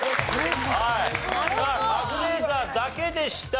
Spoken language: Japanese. さあカズレーザーだけでした。